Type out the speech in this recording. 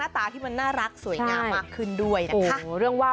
ตาที่มันน่ารักสวยงามมากขึ้นด้วยนะคะ